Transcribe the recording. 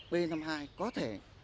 b năm mươi hai có thể